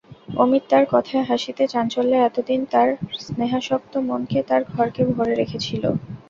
অমিত তার কথায় হাসিতে চাঞ্চল্যে এতদিন তাঁর স্নেহাসক্ত মনকে, তাঁর ঘরকে ভরে রেখেছিল।